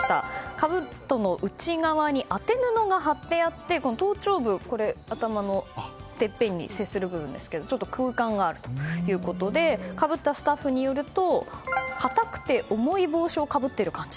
かぶとの内側に当て布が貼ってあって頭頂部、頭のてっぺんに接する部分ですけど空間があるということでかぶったスタッフによると硬くて重い帽子をかぶっている感じ。